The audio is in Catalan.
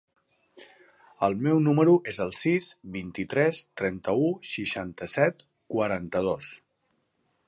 El meu número es el sis, vint-i-tres, trenta-u, seixanta-set, quaranta-dos.